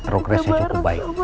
rookrace nya cukup baik